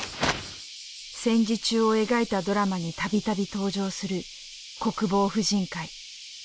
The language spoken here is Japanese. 戦時中を描いたドラマに度々登場する国防婦人会。